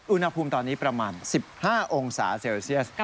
อุณหภูมิตอนนี้ประมาณ๑๕องศาเซลเซียส